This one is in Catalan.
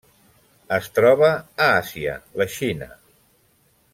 Es troba a Àsia: la Xina.